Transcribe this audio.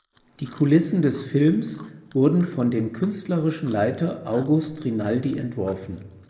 Die Kulissen des Films wurden von dem künstlerischen Leiter August Rinaldi entworfen.